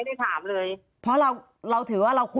ตอนที่จะไปอยู่โรงเรียนนี้แปลว่าเรียนจบมไหนคะ